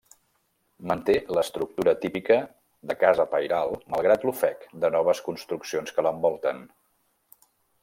Manté l'estructura típica de casa pairal malgrat l'ofec de noves construccions que l'envolten.